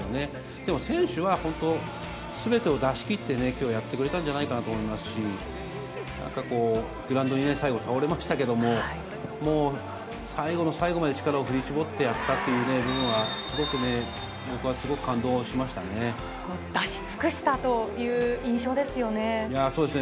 でも、選手は本当、すべてを出しきって、きょうやってくれたんじゃないかなと思いますし、なんかグラウンドに最後、倒れましたけれども、もう、最後の最後までしっかり振り絞ってやったっていう部分は、すごくね、出し尽くしたという印象ですそうですね。